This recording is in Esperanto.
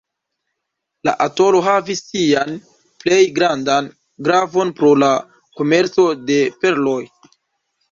La atolo havis sian plej grandan gravon pro la komerco de perloj.